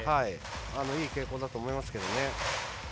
いい傾向だと思いますけれども。